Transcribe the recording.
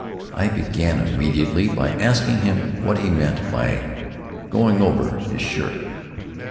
I began immediately by asking him what he meant by "going over" his shirt.